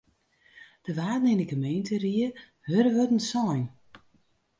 Der waarden yn de gemeenteried hurde wurden sein.